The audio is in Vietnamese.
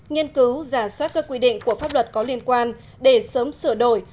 nghiên cứu giả soát các quy định của pháp luật có liên quan để sớm sửa đổi